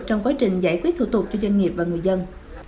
trong quá trình giải quyết thủ tục cho doanh nghiệp và người dân